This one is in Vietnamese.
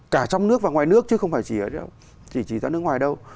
cả trong nước và ngoài nước chứ không phải chỉ ở nước ngoài đâu